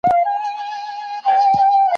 که ته غواړې قوي سې نو د شربت پر ځای شیدې وڅښه.